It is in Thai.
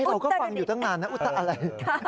เราก็ฟังอยู่ตั้งนานนะอุตอะไร